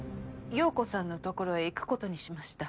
葉子さんのところへ行くことにしました。